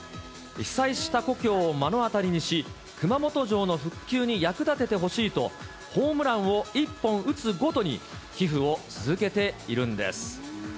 被災した故郷を目の当たりにし、熊本城の復旧に役立ててほしいと、ホームランを１本打つごとに、寄付を続けているんです。